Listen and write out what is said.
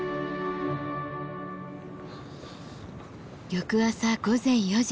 翌朝午前４時。